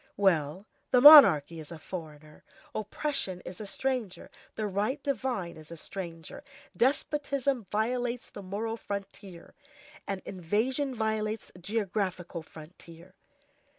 Well, the monarchy is a foreigner; oppression is a stranger; the right divine is a stranger. Despotism violates the moral frontier, an invasion violates the geographical frontier.